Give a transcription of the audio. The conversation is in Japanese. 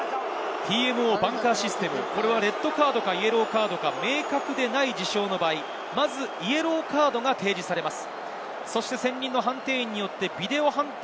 ＴＭＯバンカーシステム、レッドカードかイエローカードが明確でない事象の場合、まずイエローカードが提示されます。